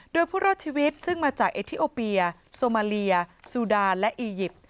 โดยผู้รอดชีวิตซึ่งมาจากเอทิโอเปียโซมาเลียซูดาและอียิปต์